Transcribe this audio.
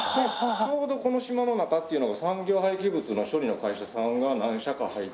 ちょうどこの島の中っていうのが産業廃棄物の処理の会社さんが何社か入ってたりとか。